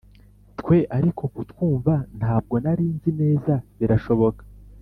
twe, ariko kukwumva ntabwo nari nzi neza. birashoboka